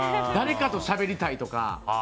誰かとしゃべりたいとか。